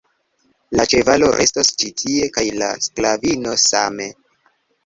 La ĉevalo restos ĉi tie, kaj la sklavino same.